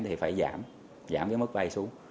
thì phải giảm giảm cái mức vây xuống